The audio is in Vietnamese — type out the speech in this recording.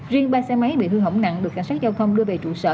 riêng ba xe máy bị hư hỏng nặng được cảnh sát giao thông đưa về trụ sở